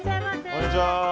こんにちは。